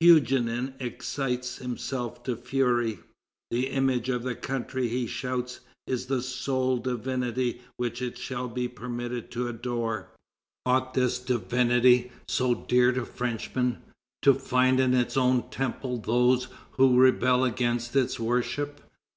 Huguenin excites himself to fury: "The image of the country," he shouts, "is the sole divinity which it shall be permitted to adore. Ought this divinity, so dear to Frenchmen, to find in its own temple those who rebel against its worship?